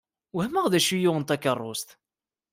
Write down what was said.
Wehmeɣ d acu i yuɣen takerrust?